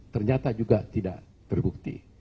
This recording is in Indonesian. ternyata juga tidak terbukti